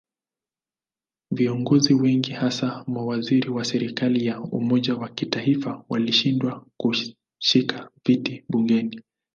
Viongozi wengi hasa mawaziri wa serikali ya umoja wa kitaifa walishindwa kushika viti bungeni.